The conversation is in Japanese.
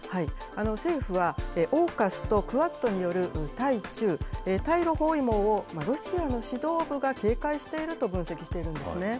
政府は、オーカスとクアッドによる対中・対ロ包囲網を、ロシアの指導部が警戒していると分析しているんですね。